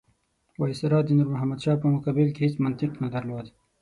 وایسرا د نور محمد شاه په مقابل کې هېڅ منطق نه درلود.